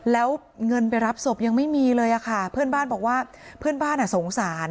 แล้วเงินไปรับศพยังไม่มีเลยค่ะเพื่อนบ้านบอกว่าเพื่อนบ้านอ่ะสงสาร